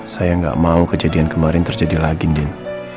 saya gak mau kejadian kemarin terjadi lagi din